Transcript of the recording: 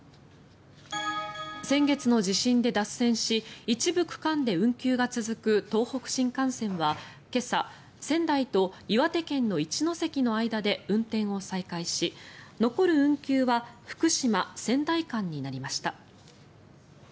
先月の地震で脱線し一部区間で運休が続く東北新幹線は今朝仙台と岩手県の一ノ関の間で運転を再開し残る運休は福島仙台間になりました。